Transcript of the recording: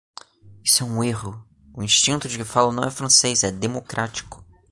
Isso é um erro: o instinto de que falo não é francês, é democrático.